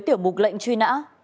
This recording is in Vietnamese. tiểu buộc lệnh truy nã